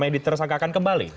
di tersangkakan kembali